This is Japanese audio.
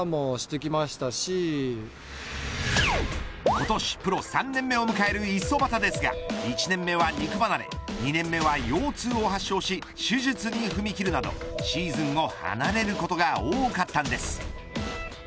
今年プロ３年目を迎える五十幡ですが１年目は肉離れ２年目は腰痛を発症し手術に踏み切るなどシーズンを離れることが多かったんです。